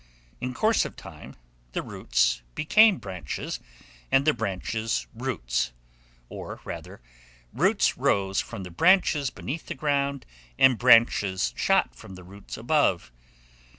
In course of time, the roots became branches, and the branches roots, or rather, roots rose from the branches beneath the ground, and branches shot from the roots above.